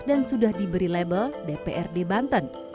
dan sudah diberi label dprd banten